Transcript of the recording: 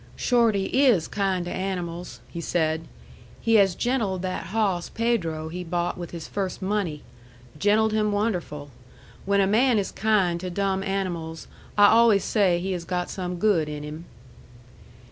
"Shorty is kind to animals," he said. "He has gentled that hawss Pedro he bought with his first money. Gentled him wonderful. When a man is kind to dumb animals, I always say he had got some good in him."